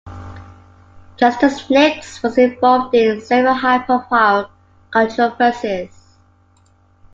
Justice Nix was involved in several high profile controversies.